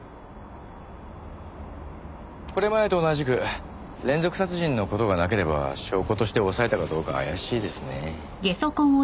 これまでと同じく連続殺人の事がなければ証拠として押さえたかどうか怪しいですね。